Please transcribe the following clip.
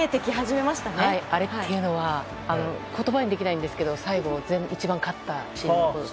あれっていうのは言葉にできないんですが最後一番勝ったチームに。